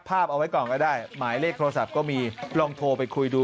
เอาไว้ก่อนก็ได้หมายเลขโทรศัพท์ก็มีลองโทรไปคุยดู